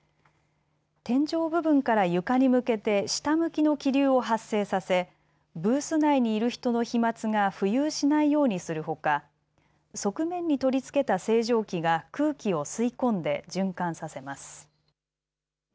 天井部分から床に向けて下向きの気流を発生させブース内にいる人の飛まつが浮遊しないようにするほか側面に取り付けた清浄機が空気を吸い込んで循環させます。